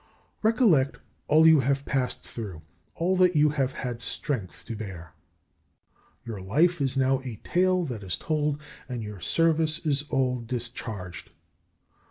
Recollect all you have passed through, all that you have had strength to bear. Your life is now a tale that is told, and your service is all discharged.